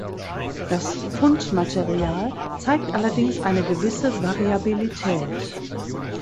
Das Fundmaterial zeigt allerdings eine gewisse Variabilität.